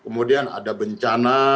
kemudian ada bencana